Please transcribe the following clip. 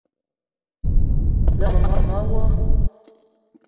Lerma mema wo.